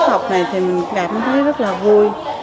học này thì mình cảm thấy rất là vui